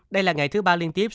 đây là ngày thứ ba liên tiếp